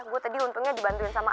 gue tadi untungnya dibantuin sama